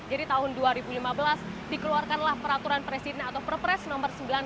jadi tahun dua ribu lima belas dikeluarkanlah peraturan presidna atau perpres nomor sembilan puluh delapan